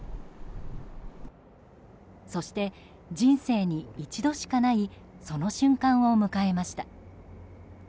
そして、人生に一度しかないその瞬間を迎えました。